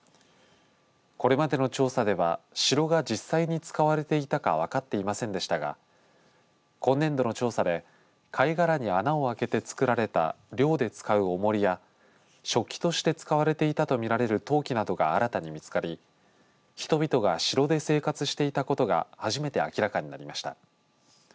これまでの調査では城が実際に使われていたか分かっていませんでしたが今年度の調査で貝殻に穴を開けて作られた漁で使うおもりや食器として使われていたと見られる陶器などが新たに見つかり人々が城で生活していたことが初めて明らかになりました。